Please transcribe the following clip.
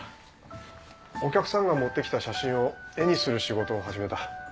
お客さんが持ってきた写真を絵にする仕事を始めた。